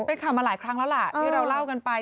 เป็นข่าวมาหลายครั้งแล้วล่ะที่เราเล่ากันไป